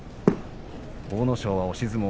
阿武咲は押し相撲。